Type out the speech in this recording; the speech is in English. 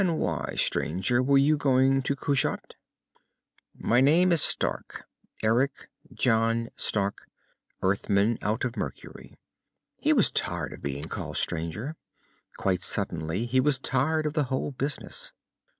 "Ah! And why, stranger, were you going to Kushat?" "My name is Stark. Eric John Stark, Earthman, out of Mercury." He was tired of being called stranger. Quite suddenly, he was tired of the whole business.